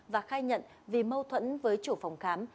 và khai nhận vì mâu thuẫn với chủ phòng khám